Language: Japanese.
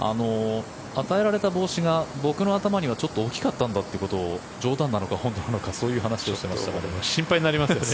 与えられた帽子が僕の頭にはちょっと大きかったんだというのを冗談なのか本当なのか心配になりますよね。